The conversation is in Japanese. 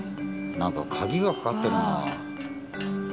なんか鍵がかかってるな。